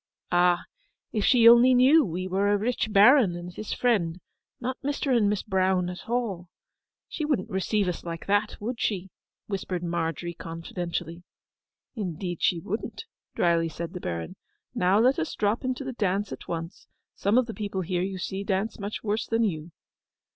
'Ah, if she only knew we were a rich Baron and his friend, and not Mr. and Miss Brown at all, she wouldn't receive us like that, would she?' whispered Margery confidentially. 'Indeed, she wouldn't!' drily said the Baron. 'Now let us drop into the dance at once; some of the people here, you see, dance much worse than you.